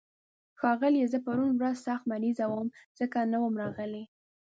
ښاغليه، زه پرون ورځ سخت مريض وم، ځکه نه وم راغلی.